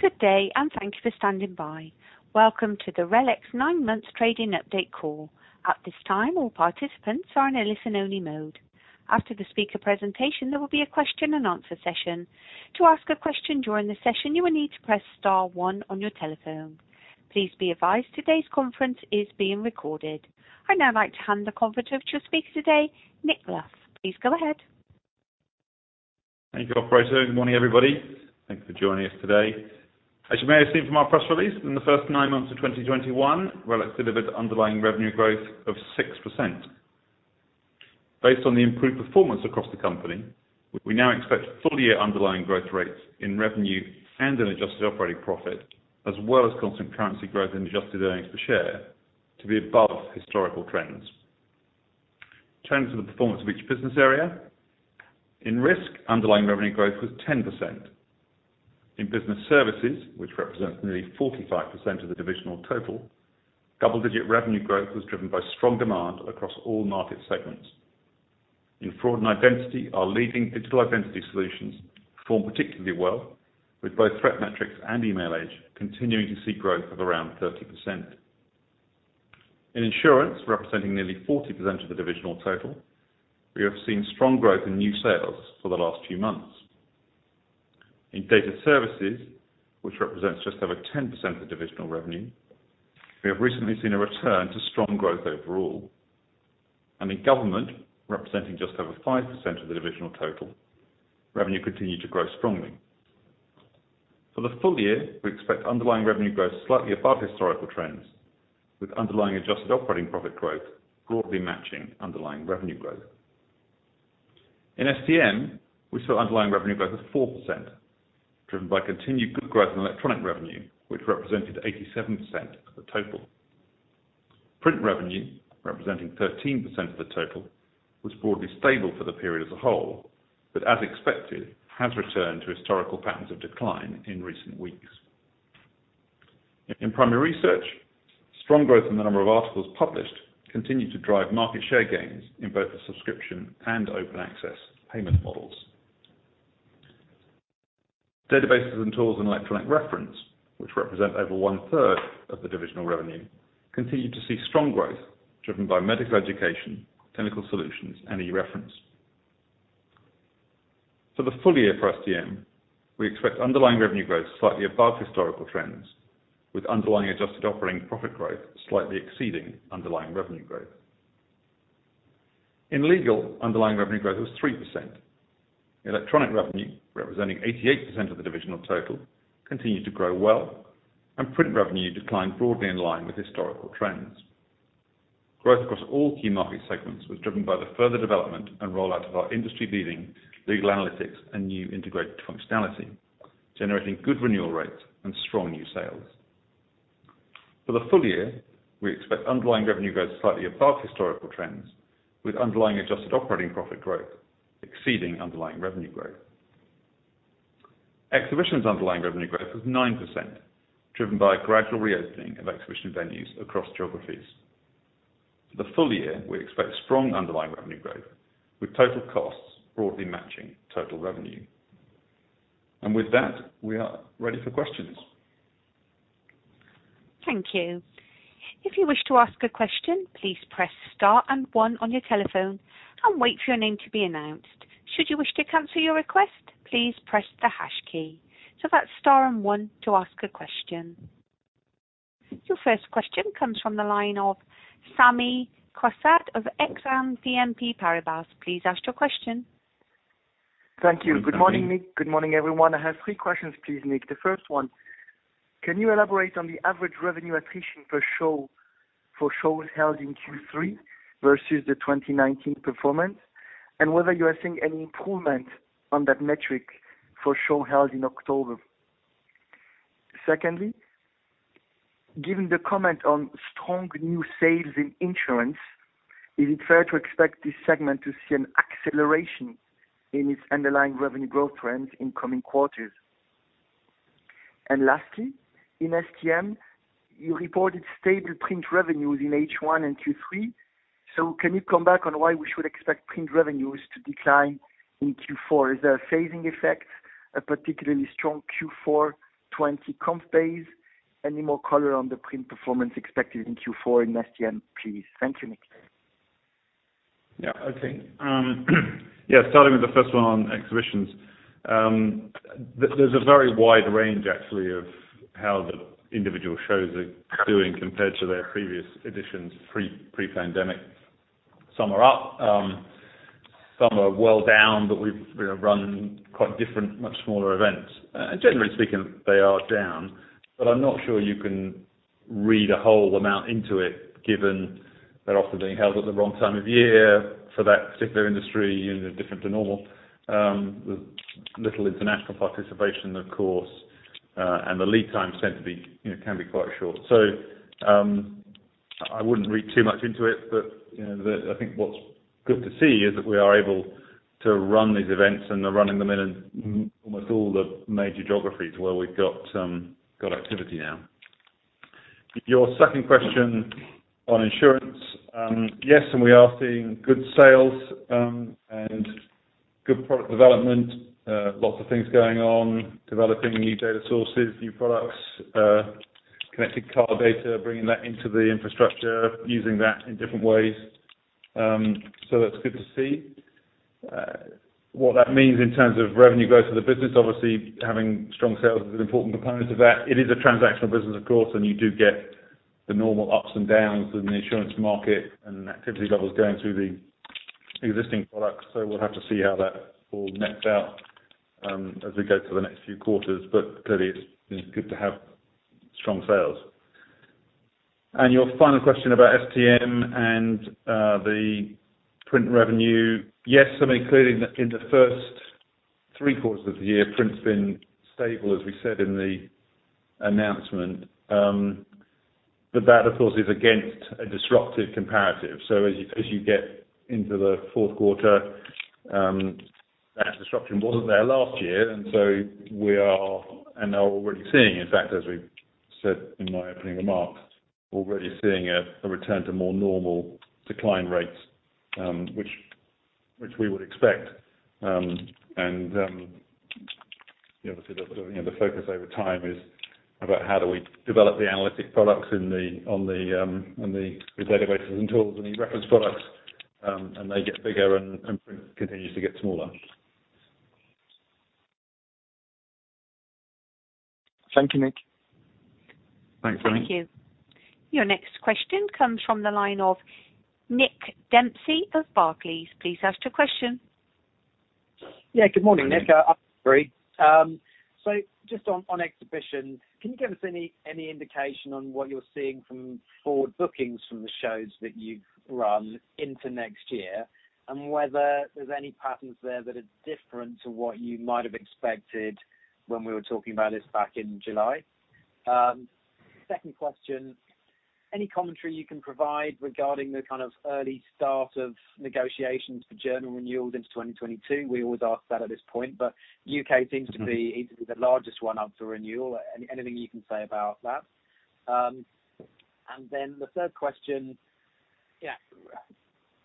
Good day, and thank you for standing by. Welcome to the RELX Nine Months Trading Update Call. At this time, all participants are in a listen only mode. After the speaker presentation, there will be a question and answer session. To ask a question during the session, you will need to press star one on your telephone. Please be advised today's conference is being recorded. I'd now like to hand the conference to your speaker today, Nicholas. Please go ahead. Thank you, Operator. Good morning, everybody. Thanks for joining us today. As you may have seen from our press release, in the first nine months of 2021, RELX delivered underlying revenue growth of 6%. Based on the improved performance across the company, we now expect full year underlying growth rates in revenue and an adjusted operating profit, as well as constant currency growth and adjusted earnings per share to be above historical trends. In terms of the performance of each business area, in Risk underlying revenue growth was 10%. In business services, which represents nearly 45% of the divisional total, double-digit revenue growth was driven by strong demand across all market segments. In fraud and identity, our leading digital identity solutions performed particularly well with both ThreatMetrix and Emailage continuing to see growth of around 30%. In insurance, representing nearly 40% of the divisional total, we have seen strong growth in new sales for the last few months. In data services, which represents just over 10% of divisional revenue, we have recently seen a return to strong growth overall. In government, representing just over 5% of the divisional total, revenue continued to grow strongly. For the full year, we expect underlying revenue growth slightly above historical trends, with underlying adjusted operating profit growth broadly matching underlying revenue growth. In STM, we saw underlying revenue growth of 4%, driven by continued good growth in electronic revenue, which represented 87% of the total. Print revenue, representing 13% of the total, was broadly stable for the period as a whole, but as expected has returned to historical patterns of decline in recent weeks. In primary research, strong growth in the number of articles published continued to drive market share gains in both the subscription and open access payment models. Databases and tools and electronic reference, which represent over one-third of the divisional revenue, continued to see strong growth driven by medical education, technical solutions, and eReference. For the full year for STM, we expect underlying revenue growth slightly above historical trends, with underlying adjusted operating profit growth slightly exceeding underlying revenue growth. In legal, underlying revenue growth was 3%. Electronic revenue representing 88% of the divisional total continued to grow well, and print revenue declined broadly in line with historical trends. Growth across all key market segments was driven by the further development and rollout of our industry leading legal analytics and new integrated functionality, generating good renewal rates and strong new sales. For the full year, we expect underlying revenue growth slightly above historical trends, with underlying adjusted operating profit growth exceeding underlying revenue growth. Exhibitions underlying revenue growth was 9%, driven by a gradual reopening of exhibition venues across geographies. For the full year, we expect strong underlying revenue growth with total costs broadly matching total revenue. With that, we are ready for questions. Thank you. If you wish to ask a question, please press star and one on your telephone and wait for your name to be announced. Should you wish to cancel your request, please press the hash key. That's star and one to ask a question. Your first question comes from the line of Sami Kassab of Exane BNP Paribas. Please ask your question. Thank you. Good morning. Good morning, Nick. Good morning, everyone. I have three questions, please, Nick. The first one, can you elaborate on the average revenue attrition per show for shows held in Q3 versus the 2019 performance? Whether you are seeing any improvement on that metric for show held in October? Secondly, given the comment on strong new sales in insurance, is it fair to expect this segment to see an acceleration in its underlying revenue growth trends in coming quarters? Lastly, in STM, you reported stable print revenues in H1 and Q3, so can you come back on why we should expect print revenues to decline in Q4? Is there a phasing effect, a particularly strong Q4 2020 comp base? Any more color on the print performance expected in Q4 in STM, please? Thank you, Nick. Okay. Starting with the first one on exhibitions. There's a very wide range actually of how the individual shows are doing compared to their previous editions pre-pandemic. Some are up, some are well down, but we've run quite different, much smaller events. Generally speaking, they are down, but I'm not sure you can read a whole amount into it given they're often being held at the wrong time of year for that particular industry unit different to normal. With little international participation, of course, and the lead time can be quite short. I wouldn't read too much into it, but I think what's good to see is that we are able to run these events and are running them in almost all the major geographies where we've got activity now. Your second question on insurance. Yes, we are seeing good sales and good product development. Lots of things going on, developing new data sources, new products, connected car data, bringing that into the infrastructure, using that in different ways. That's good to see. What that means in terms of revenue growth for the business. Obviously, having strong sales is an important component of that. It is a transactional business, of course, and you do get the normal ups and downs in the insurance market and activity levels going through the existing products. We'll have to see how that all nets out as we go through the next few quarters. Clearly, it's good to have strong sales. Your final question about STM and the print revenue. Yes, including in the first three quarters of the year, print's been stable, as we said in the announcement. That, of course, is against a disruptive comparative. As you get into the fourth quarter, that disruption wasn't there last year. We are already seeing, in fact, as we said in my opening remarks, already seeing a return to more normal decline rates, which we would expect. Obviously, the focus over time is about how do we develop the analytic products on the databases and tools and eReference products. They get bigger, and print continues to get smaller. Thank you, Nick. Thanks, Sami. Thank you. Your next question comes from the line of Nick Dempsey of Barclays. Please ask your question. Yeah, good morning, Nick. Good morning. Just on exhibition, can you give us any indication on what you're seeing from forward bookings from the shows that you've run into next year? Whether there's any patterns there that are different to what you might have expected when we were talking about this back in July. Second question. Any commentary you can provide regarding the kind of early start of negotiations for journal renewals into 2022? We always ask that at this point, but U.K. seems to be the largest one up for renewal. Anything you can say about that? The third question.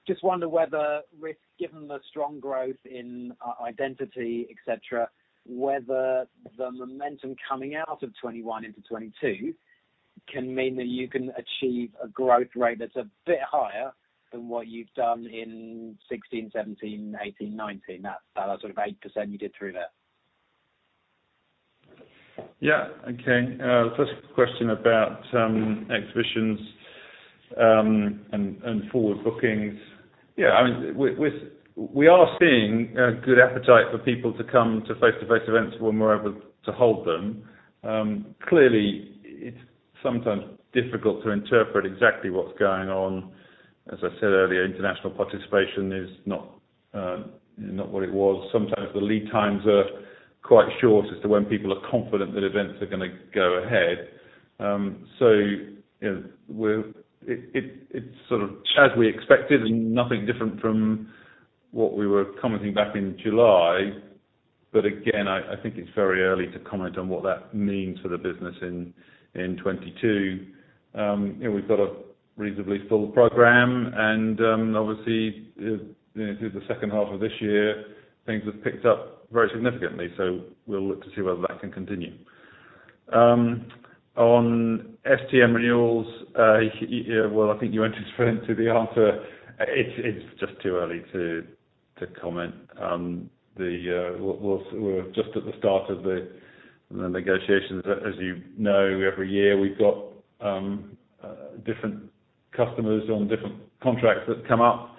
Just wonder whether Risk, given the strong growth in identity, et cetera, whether the momentum coming out of 2021 into 2022 can mean that you can achieve a growth rate that's a bit higher than what you've done in 2016, 2017, 2018, 2019. That sort of 8% you did through there. Okay. First question about exhibitions and forward bookings. We are seeing a good appetite for people to come to face-to-face events when we're able to hold them. It's sometimes difficult to interpret exactly what's going on. As I said earlier, international participation is not what it was. Sometimes the lead times are quite short as to when people are confident that events are going to go ahead. It's sort of as we expected and nothing different from what we were commenting back in July. Again, I think it's very early to comment on what that means for the business in 2022. We've got a reasonably full program and obviously, through the second half of this year, things have picked up very significantly. We'll look to see whether that can continue. On STM renewals, well, I think you entered straight into the answer. It's just too early to comment. We're just at the start of the negotiations. As you know, every year we've got different customers on different contracts that come up,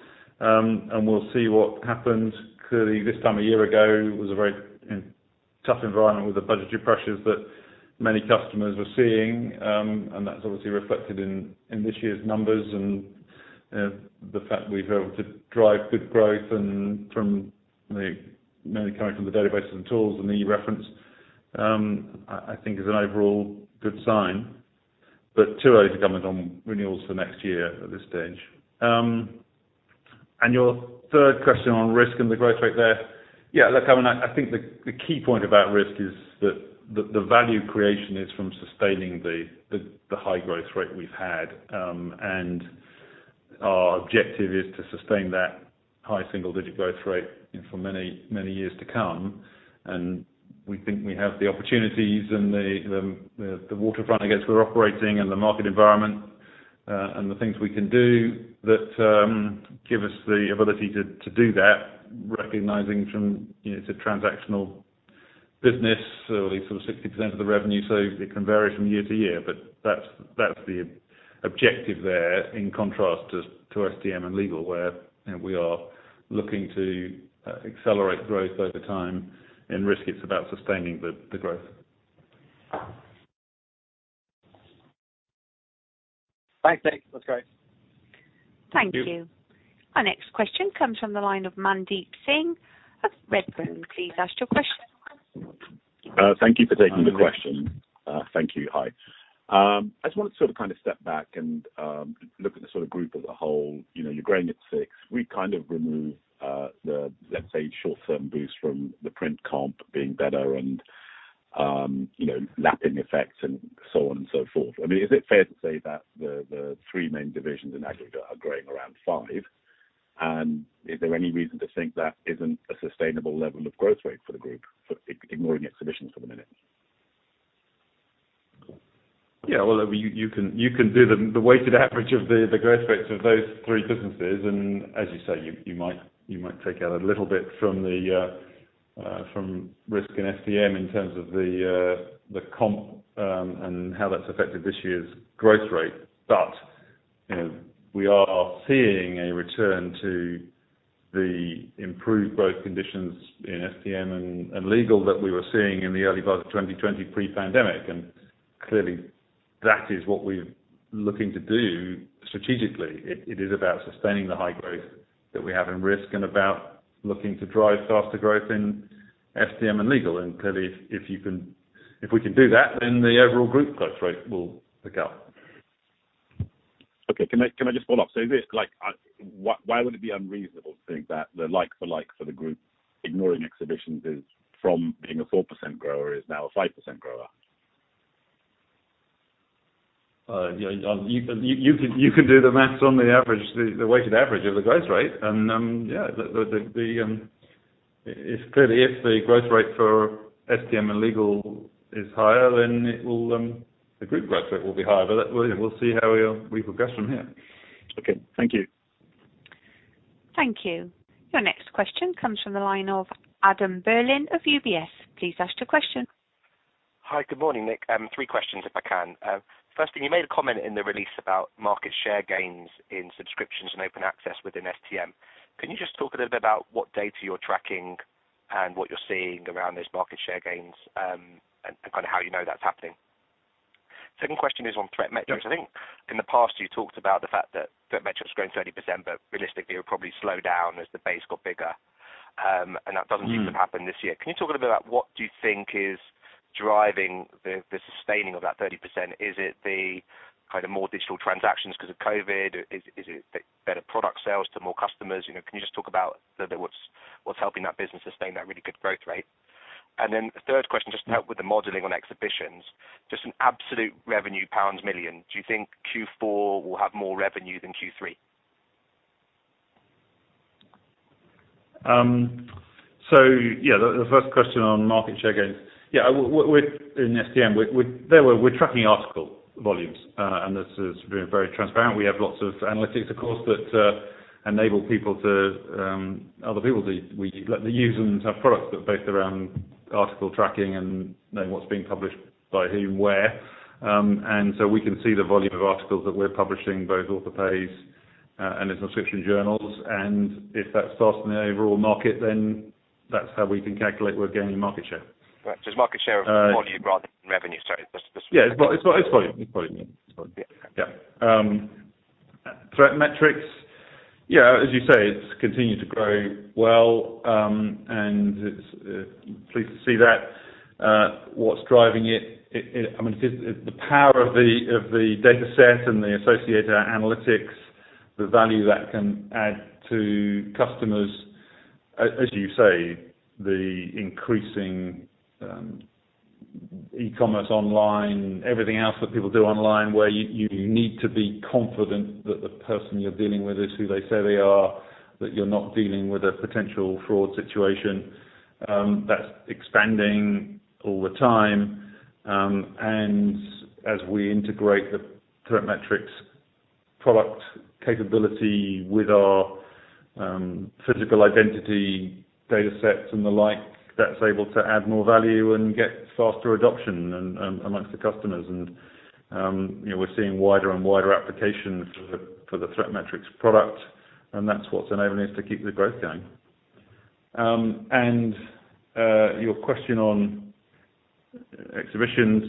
and we'll see what happens. Clearly, this time a year ago was a very tough environment with the budgetary pressures that many customers were seeing. That's obviously reflected in this year's numbers. The fact we've been able to drive good growth mainly coming from the databases and tools and eReference, I think is an overall good sign. Too early to comment on renewals for next year at this stage. Your third question on risk and the growth rate there. Yeah, look, I think the key point about risk is that the value creation is from sustaining the high growth rate we've had. Our objective is to sustain that high single-digit growth rate for many years to come. We think we have the opportunities and the waterfront, I guess, we're operating and the market environment. The things we can do that give us the ability to do that, recognizing it's a transactional business, or at least sort of 60% of the revenue. It can vary from year to year. That's the objective there, in contrast to STM and legal, where we are looking to accelerate growth over time. In Risk, it's about sustaining the growth. Thanks, Nick. That's great. Thank you. Thank you. Our next question comes from the line of Mandeep Singh of Redburn. Please ask your question. Thank you for taking the question. Hi, Mandeep. Thank you. Hi. I just want to sort of step back and look at the group as a whole. You're growing at six. We kind of remove the, let's say, short-term boost from the print comp being better and, lapping effects and so on and so forth. Is it fair to say that the three main divisions in aggregate are growing around 5%? Is there any reason to think that isn't a sustainable level of growth rate for the group, ignoring exhibitions for the minute? Well, you can do the weighted average of the growth rates of those three businesses, and as you say, you might take out a little bit from Risk and STM in terms of the comp, and how that's affected this year's growth rate. We are seeing a return to the improved growth conditions in STM and Legal that we were seeing in the early part of 2020, pre-pandemic. Clearly, that is what we're looking to do strategically. It is about sustaining the high growth that we have in Risk and about looking to drive faster growth in STM and Legal. Clearly, if we can do that, then the overall group growth rate will pick up. Okay. Can I just follow up? Why would it be unreasonable to think that the like for like for the group, ignoring exhibitions, is from being a 4% grower is now a 5% grower? You can do the math on the weighted average of the growth rate. Yeah, it's clear if the growth rate for STM and Legal is higher, then the group growth rate will be higher. We'll see how we progress from here. Okay. Thank you. Thank you. Your next question comes from the line of Adam Berlin of UBS. Please ask your question. Hi. Good morning, Nick. Three questions, if I can. First thing, you made a comment in the release about market share gains in subscriptions and open access within STM. Can you just talk a little bit about what data you're tracking and what you're seeing around those market share gains, and how you know that's happening? Second question is on ThreatMetrix. I think in the past you talked about the fact that ThreatMetrix is growing 30%, but realistically, it would probably slow down as the base got bigger. That doesn't seem. to have happened this year. Can you talk a little bit about what do you think is driving the sustaining of that 30%? Is it the more digital transactions because of COVID? Is it better product sales to more customers? Can you just talk about what's helping that business sustain that really good growth rate? The third question, just to help with the modeling on exhibitions, just an absolute revenue pounds million. Do you think Q4 will have more revenue than Q3? Yeah, the first question on market share gains. Yeah, in STM, we're tracking article volumes, and this is being very transparent. We have lots of analytics, of course, that enable other people. We let the users have products that are based around article tracking and knowing what's being published by whom, where. We can see the volume of articles that we're publishing, both author pays and in subscription journals. If that's faster than the overall market, then that's how we can calculate we're gaining market share. Right. Just market share volume rather than revenue, sorry. Yeah. It's volume. Yeah. ThreatMetrix, as you say, it's continued to grow well, and it's pleased to see that. What's driving it, the power of the dataset and the associated analytics, the value that can add to customers, as you say, the increasing e-commerce online, everything else that people do online, where you need to be confident that the person you're dealing with is who they say they are, that you're not dealing with a potential fraud situation. That's expanding all the time. As we integrate the ThreatMetrix product capability with our physical identity datasets and the like, that's able to add more value and get faster adoption amongst the customers. We're seeing wider and wider applications for the ThreatMetrix product, and that's what's enabling us to keep the growth going. Your question on exhibitions.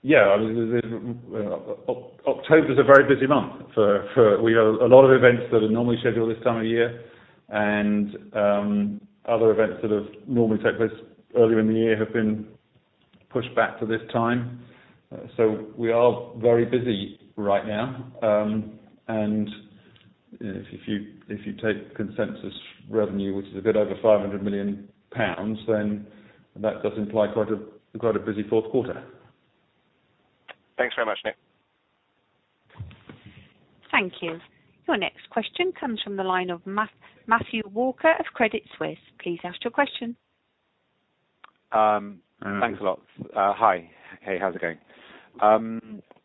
Yeah, October's a very busy month. We have a lot of events that are normally scheduled this time of year, and other events that have normally take place earlier in the year have been pushed back to this time. We are very busy right now. If you take consensus revenue, which is a bit over 500 million pounds, then that does imply quite a busy fourth quarter. Thanks very much, Nick. Thank you. Your next question comes from the line of Matthew Walker of Credit Suisse. Please ask your question. Thanks a lot. Hi. Hey, how's it going?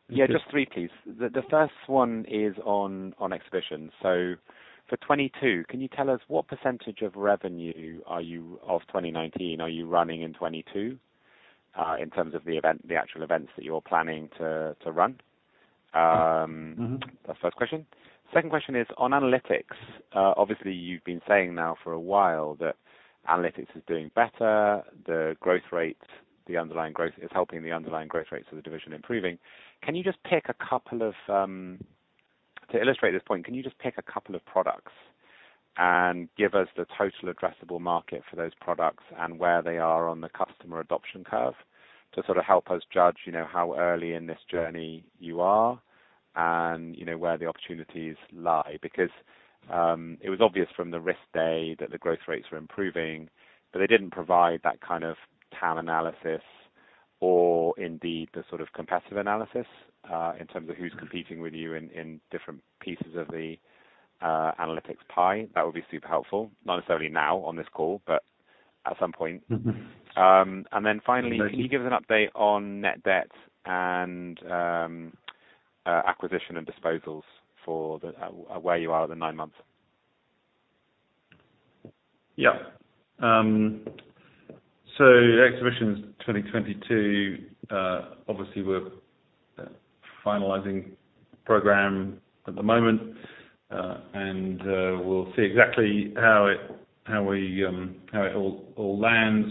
Yeah, just three, please. The first one is on exhibition. For 2022, can you tell us what percentage of revenue of 2019 are you running in 2022, in terms of the actual events that you're planning to run? That's the first question. Second question is on analytics. Obviously, you've been saying now for a while that analytics is doing better. The underlying growth is helping the underlying growth rates of the division improving. To illustrate this point, can you just pick a couple of products and give us the total addressable market for those products and where they are on the customer adoption curve to sort of help us judge how early in this journey you are? Where the opportunities lie. It was obvious from the risk day that the growth rates were improving, but they didn't provide that kind of TAM analysis or indeed the sort of competitive analysis, in terms of who's competing with you in different pieces of the analytics pie. That would be super helpful. Not necessarily now on this call, but at some point. Finally, can you give us an update on net debt and acquisition and disposals for where you are at the nine months? Yeah. Exhibitions 2022, obviously we're finalizing program at the moment. We'll see exactly how it all lands.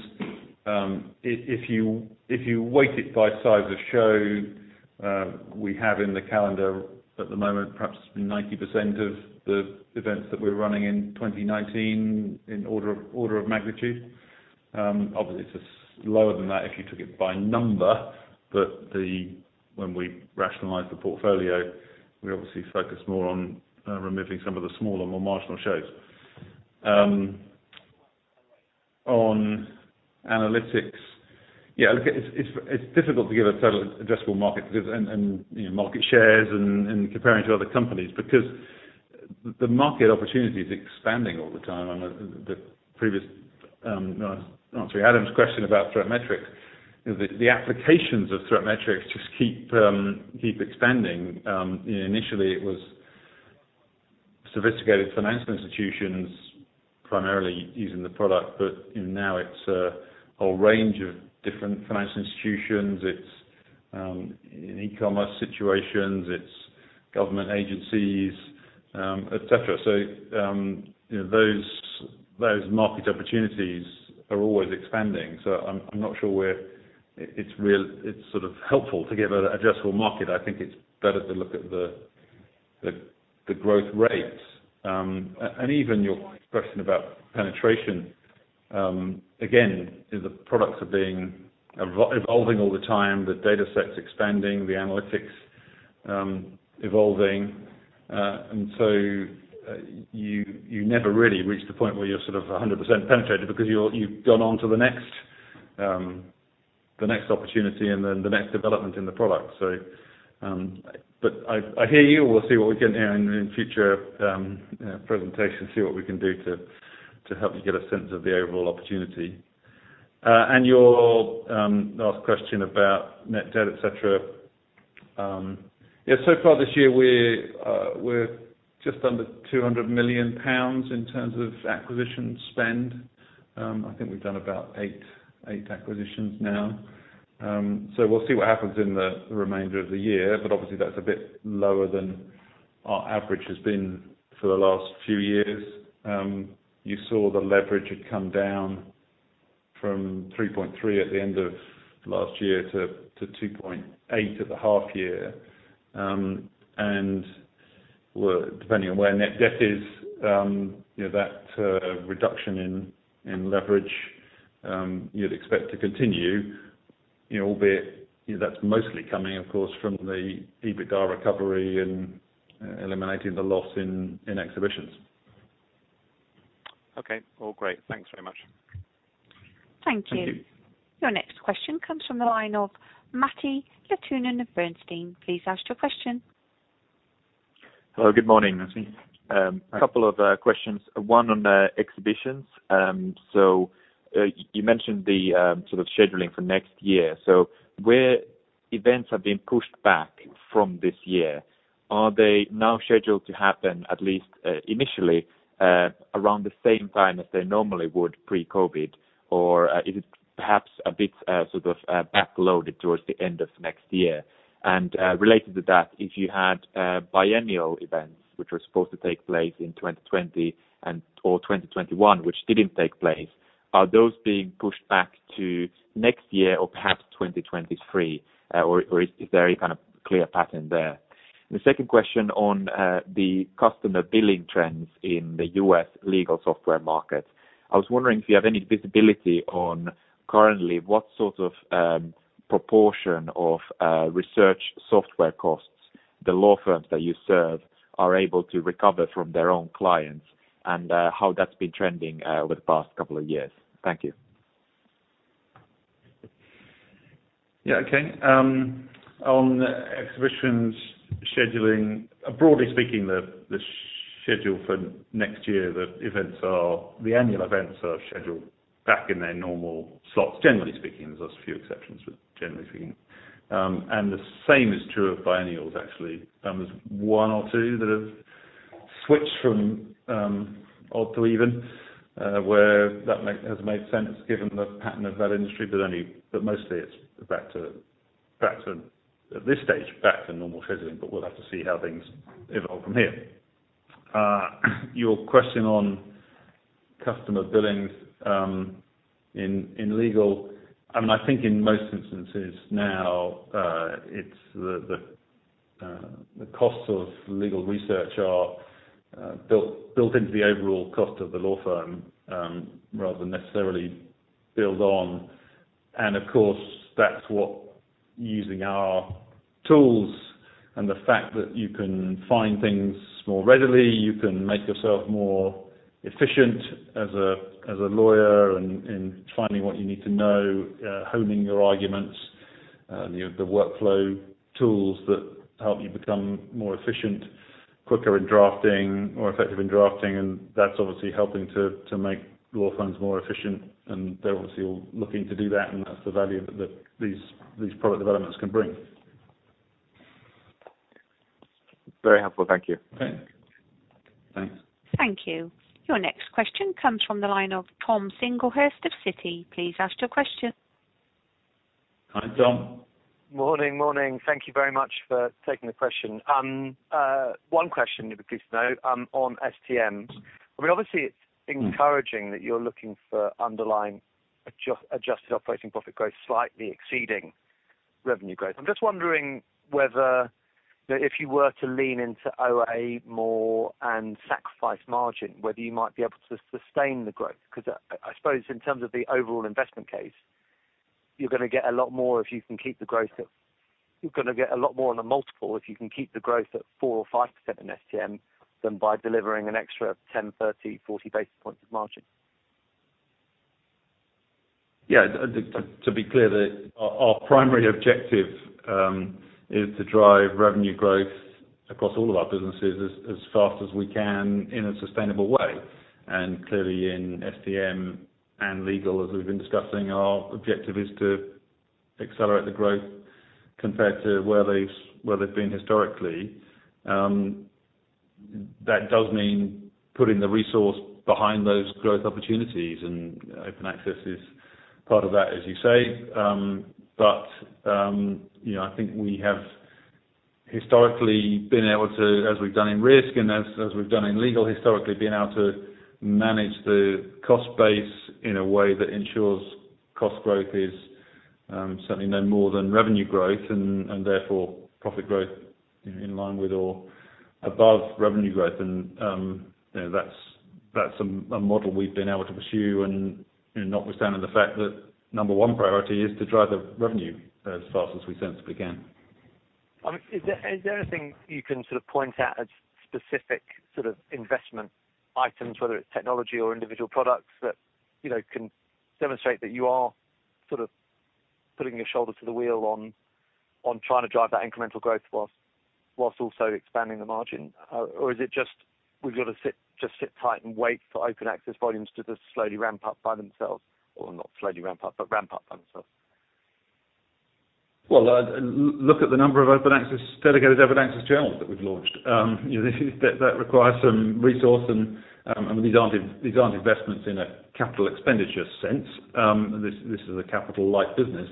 If you weight it by size of show, we have in the calendar at the moment, perhaps 90% of the events that we're running in 2019 in order of magnitude. Obviously, it's lower than that if you took it by number, but when we rationalize the portfolio, we obviously focus more on removing some of the smaller, more marginal shows. On analytics, it's difficult to give a total addressable market and market shares and comparing to other companies, because the market opportunity is expanding all the time. On Adam's question about ThreatMetrix, the applications of ThreatMetrix just keep expanding. Initially it was sophisticated financial institutions primarily using the product, but now it's a whole range of different financial institutions. It's in e-commerce situations, it's government agencies, et cetera. Those market opportunities are always expanding. I'm not sure where it's helpful to give an addressable market. I think it's better to look at the growth rates. Even your question about penetration, again, the products are evolving all the time, the data set's expanding, the analytics evolving. You never really reach the point where you're 100% penetrated because you've gone on to the next opportunity and then the next development in the product. I hear you. We'll see what we can hear in future presentations, see what we can do to help you get a sense of the overall opportunity. Your last question about net debt, et cetera. Yeah, so far this year, we're just under 200 million pounds in terms of acquisition spend. I think we've done about eight acquisitions now. We'll see what happens in the remainder of the year, but obviously that's a bit lower than our average has been for the last few years. You saw the leverage had come down from 3.3 at the end of last year to 2.8 at the half year. Depending on where net debt is, that reduction in leverage, you'd expect to continue, albeit that's mostly coming, of course, from the EBITDA recovery and eliminating the loss in Exhibitions. Okay. All great. Thanks very much. Thank you. Thank you. Your next question comes from the line of Matti Littunen of Bernstein. Please ask your question. Hello. Good morning. Hi, Matti. A couple of questions, one on Exhibitions. You mentioned the sort of scheduling for next year. Where events have been pushed back from this year, are they now scheduled to happen at least initially, around the same time as they normally would pre-COVID, or is it perhaps a bit back loaded towards the end of next year? Related to that, if you had biennial events which were supposed to take place in 2020 or 2021, which didn't take place, are those being pushed back to next year or perhaps 2023? Is there a kind of clear pattern there? The second question on the customer billing trends in the U.S. legal software market. I was wondering if you have any visibility on currently what sort of proportion of research software costs the law firms that you serve are able to recover from their own clients, and how that's been trending over the past couple of years. Thank you. Okay. On the Exhibitions scheduling, broadly speaking, the schedule for next year, the annual events are scheduled back in their normal slots, generally speaking. There's a few exceptions, but generally speaking. The same is true of biennials actually. There's one or two that have switched from odd to even, where that has made sense given the pattern of that industry. Mostly it's, at this stage, back to normal scheduling, but we'll have to see how things evolve from here. Your question on customer billings in legal, I think in most instances now, the costs of legal research are built into the overall cost of the law firm, rather than necessarily billed on. Of course, that's what using our tools and the fact that you can find things more readily, you can make yourself more efficient as a lawyer in finding what you need to know, honing your arguments, the workflow tools that help you become more efficient, quicker in drafting, more effective in drafting, and that's obviously helping to make law firms more efficient. They're obviously all looking to do that, and that's the value that these product developments can bring. Very helpful. Thank you. Okay. Thanks. Thank you. Your next question comes from the line of Thomas Singlehurst of Citi. Please ask your question. Hi, Tom. Morning. Thank you very much for taking the question. one question, if you please know, on STM. Obviously it's encouraging that you're looking for underlying adjusted operating profit growth slightly exceeding revenue growth. I'm just wondering whether, if you were to lean into OA more and sacrifice margin, whether you might be able to sustain the growth, because I suppose in terms of the overall investment case, you're going to get a lot more on the multiple if you can keep the growth at 4% or 5% in STM than by delivering an extra 10, 30, 40 basis points of margin. Yeah. To be clear that our primary objective is to drive revenue growth across all of our businesses as fast as we can in a sustainable way. Clearly in STM and legal, as we've been discussing, our objective is to accelerate the growth compared to where they've been historically. That does mean putting the resource behind those growth opportunities, and open access is part of that, as you say. I think we have historically been able to, as we've done in risk and as we've done in legal, historically, been able to manage the cost base in a way that ensures cost growth is certainly no more than revenue growth, and therefore profit growth in line with or above revenue growth. That's a model we've been able to pursue and notwithstanding the fact that number one priority is to drive the revenue as fast as we sensibly can. Is there anything you can point out as specific investment items, whether it's technology or individual products that can demonstrate that you are putting your shoulder to the wheel on trying to drive that incremental growth whilst also expanding the margin? Or is it just we've got to just sit tight and wait for open access volumes to just slowly ramp up by themselves, or not slowly ramp up, but ramp up by themselves? Look at the number of open access delegated evidence journals that we've launched. That requires some resource and these aren't investments in a capital expenditure sense. This is a capital-like business,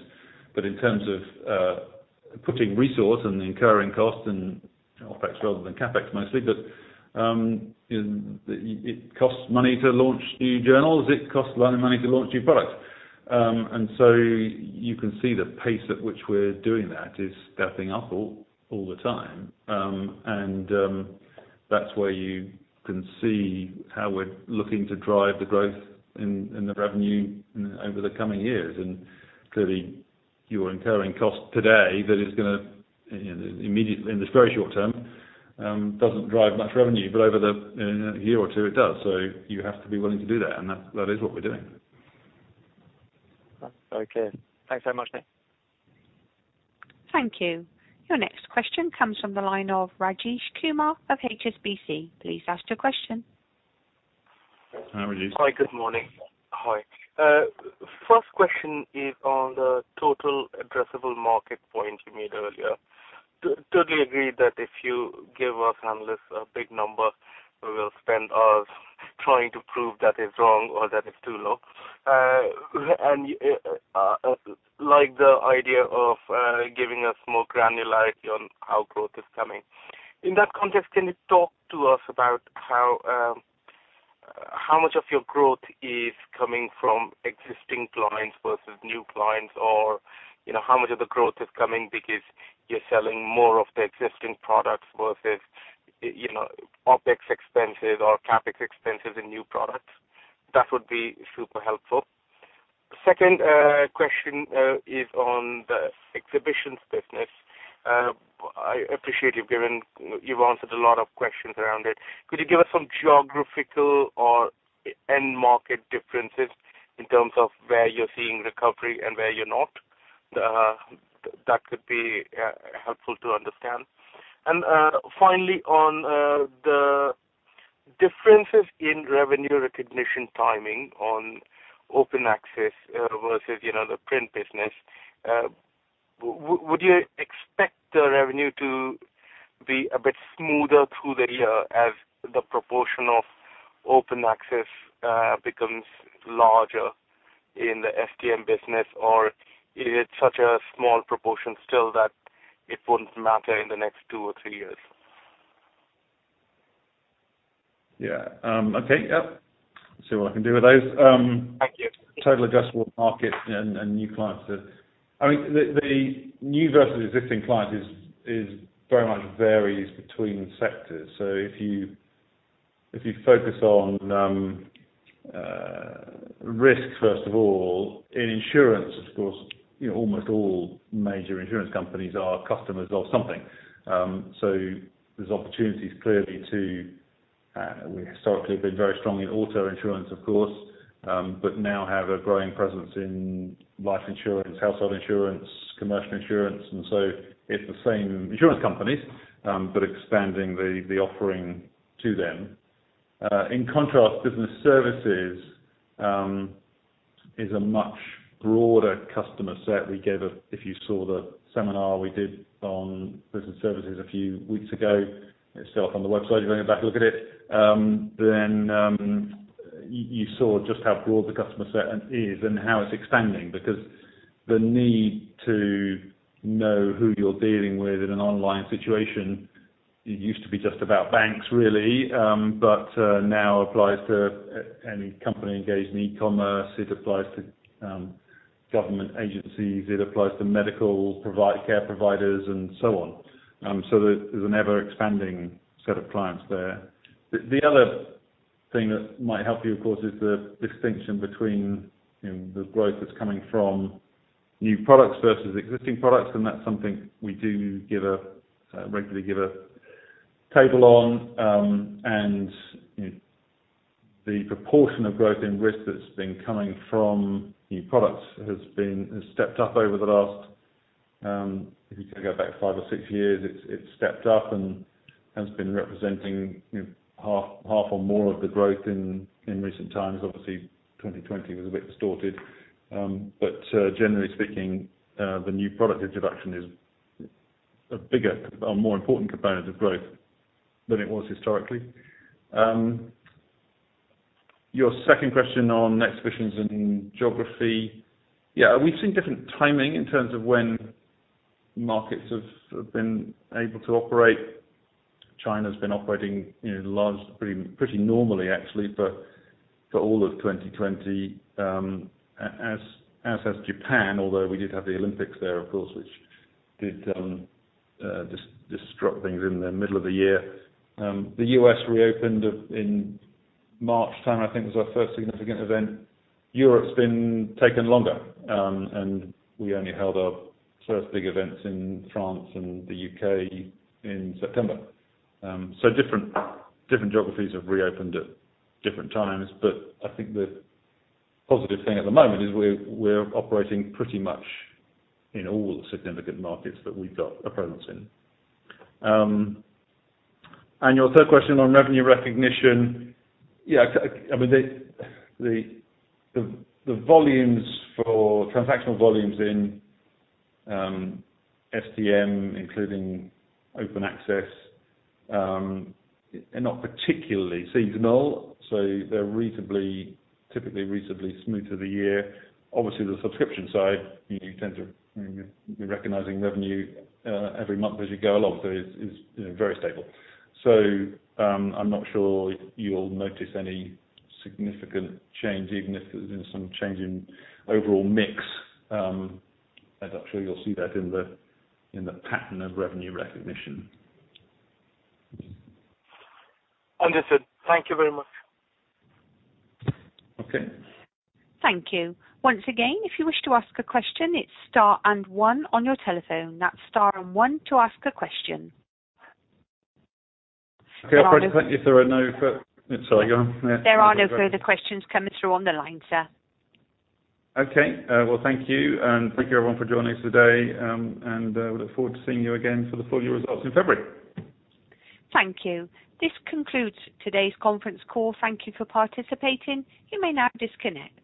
but in terms of putting resource and incurring costs and OpEx rather than CapEx mostly, it costs money to launch new journals. It costs a lot of money to launch new products. You can see the pace at which we're doing that is stepping up all the time. That's where you can see how we're looking to drive the growth in the revenue over the coming years. Clearly you are incurring cost today that is going to immediately, in the very short term, doesn't drive much revenue, but over the year or two, it does. You have to be willing to do that, and that is what we're doing. Okay. Thanks very much, Nick. Thank you. Your next question comes from the line of Rajesh Kumar of HSBC. Please ask your question. Hi, Rajesh. Hi, good morning. First question is on the total addressable market point you made earlier. Totally agree that if you give us analysts a big number, we will spend hours trying to prove that it's wrong or that it's too low. Like the idea of giving us more granularity on how growth is coming. In that context, can you talk to us about how much of your growth is coming from existing clients versus new clients, or how much of the growth is coming because you're selling more of the existing products versus OpEx expenses or CapEx expenses in new products? That would be super helpful. Second question is on the exhibitions business. I appreciate you've answered a lot of questions around it. Could you give us some geographical or end market differences in terms of where you're seeing recovery and where you're not? That could be helpful to understand. Finally on the differences in revenue recognition timing on open access versus the print business. Would you expect the revenue to be a bit smoother through the year as the proportion of open access becomes larger in the STM business? Or is it such a small proportion still that it wouldn't matter in the next two or three years? Yeah. Okay. Yep. See what I can do with those. Thank you. Total addressable market and new clients. The new versus existing client very much varies between sectors. If you focus on risks, first of all, in insurance, of course, almost all major insurance companies are customers of something. There's opportunities clearly. We historically have been very strong in auto insurance, of course, but now have a growing presence in life insurance, household insurance, commercial insurance, and so it's the same insurance companies, but expanding the offering to them. In contrast, business services is a much broader customer set. If you saw the seminar we did on business services a few weeks ago, it's still up on the website if you want to go back and look at it, then you saw just how broad the customer set is and how it's expanding. Because the need to know who you're dealing with in an online situation, it used to be just about banks really, but now applies to any company engaged in e-commerce. It applies to government agencies, it applies to medical care providers, and so on. So there's an ever-expanding set of clients there. The other thing that might help you, of course, is the distinction between the growth that's coming from new products versus existing products. And that's something we do regularly give a table on. And the proportion of growth in risk that's been coming from new products has stepped up over the last, if you go back five or six years, it's stepped up and has been representing half or more of the growth in recent times. Obviously, 2020 was a bit distorted. Generally speaking, the new product introduction is a bigger or more important component of growth than it was historically. Your second question on exhibitions and geography. Yeah, we've seen different timing in terms of when markets have been able to operate. China's been operating pretty normally actually for all of 2020, as has Japan, although we did have the Olympics there, of course, which did disrupt things in the middle of the year. The U.S. reopened in March time, I think was our first significant event. Europe's been taking longer, and we only held our first big events in France and the U.K. in September. Different geographies have reopened at different times. I think the positive thing at the moment is we're operating pretty much in all the significant markets that we've got a presence in. Your third question on revenue recognition. Yeah. The transactional volumes in STM, including open access, are not particularly seasonal, so they're typically reasonably smooth through the year. Obviously, the subscription side, you tend to be recognizing revenue every month as you go along. It's very stable. I'm not sure you'll notice any significant change, even if there's been some change in overall mix. I'm not sure you'll see that in the pattern of revenue recognition. Understood. Thank you very much. Okay. Thank you. Once again, if you wish to ask a question, it's star and one on your telephone. That's star and one to ask a question. Okay, operator, if there are no. Sorry, go on. There are no further questions coming through on the line, sir. Okay. Well, thank you. Thank you, everyone, for joining us today. We look forward to seeing you again for the full year results in February. Thank you. This concludes today's conference call. Thank you for participating. You may now disconnect.